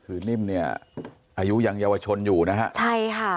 คือนิ่มเนี่ยอายุยังเยาวชนอยู่นะฮะใช่ค่ะ